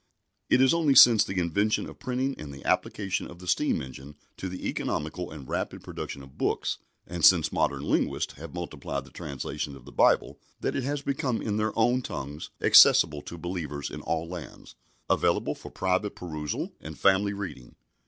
It is only since the invention of printing and the application of the steam engine to the economical and rapid production of books, and since modern linguists have multiplied the translations of the Bible, that it has become in their own tongues accessible to believers in all lands, available for private perusal and family reading.